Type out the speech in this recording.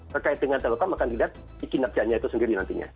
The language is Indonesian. berkait dengan telkom akan dilihat ikin abjadnya itu sendiri nantinya